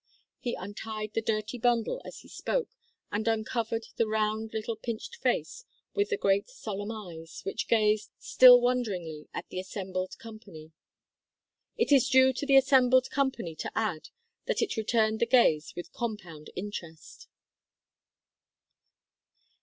He untied the dirty bundle as he spoke, and uncovered the round little pinched face with the great solemn eyes, which gazed, still wonderingly, at the assembled company. It is due to the assembled company to add that it returned the gaze with compound interest.